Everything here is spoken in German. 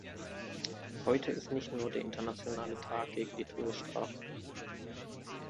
Heute ist nicht nur der Internationale Tag gegen die Todesstrafe.